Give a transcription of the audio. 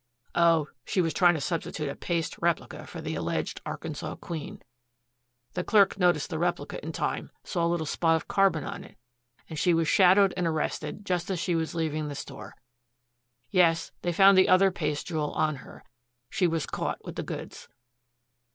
"Oh, she was trying to substitute a paste replica for the alleged Arkansas Queen. The clerk noticed the replica in time, saw a little spot of carbon on it and she was shadowed and arrested just as she was leaving the store. Yes, they found the other paste jewel on her. She was caught with the goods."